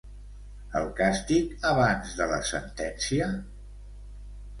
El càstig abans de la sentència?